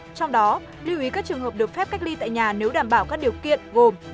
trong đó lưu ý các trường hợp được phép cách ly tại nhà nếu đảm bảo các điều kiện gồm